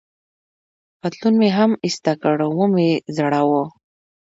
پتلون مې هم ایسته کړ، و مې ځړاوه.